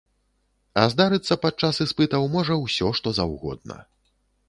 А здарыцца падчас іспытаў можа ўсё што заўгодна.